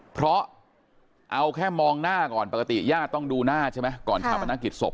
เพราะเอาแค่มองหน้าก่อนปกติญาติต้องดูหน้าใช่ไหมก่อนชาปนกิจศพ